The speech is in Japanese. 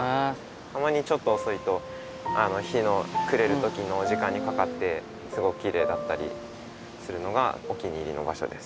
たまにちょっとおそいと日のくれるときの時間にかかってすごくきれいだったりするのがお気に入りの場所です